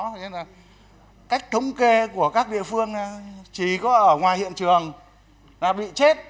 thế nên là cách thống kê của các địa phương chỉ có ở ngoài hiện trường là bị chết